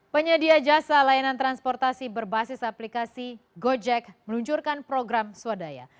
penyedia jasa layanan transportasi berbasis aplikasi gojek meluncurkan program swadaya